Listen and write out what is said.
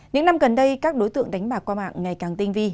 những năm gần đây các đối tượng đánh bạc qua mạng ngày càng tinh vi